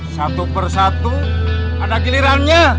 satu per satu ada gilirannya